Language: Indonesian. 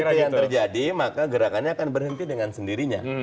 kalau yang terjadi maka gerakannya akan berhenti dengan sendirinya